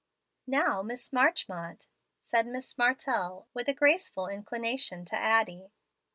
"Now, Miss Marchmont," said Miss Martell, with a graceful inclination to Addie.